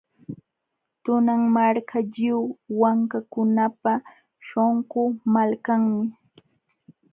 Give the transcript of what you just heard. Tunan Marka, lliw wankakunapa śhunqu malkanmi.